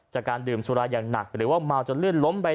จากการดื่มสุราอย่างหนักหรือว่าเมาจนลื่นล้มไป